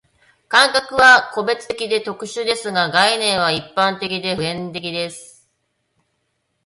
感覚は個別的で特殊ですが、概念は一般的で普遍的です。